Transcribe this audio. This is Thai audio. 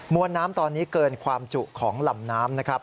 วนน้ำตอนนี้เกินความจุของลำน้ำนะครับ